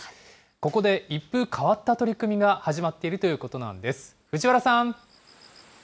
ここで一風変わった取り組みが始まっているということなんです。